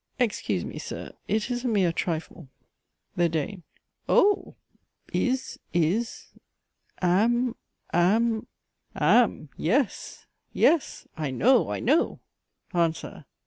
Excuse me, Sir! it is a mere trifle. THE DANE. O! is, is, am, am, am. Yes, yes I know, I know. ANSWER.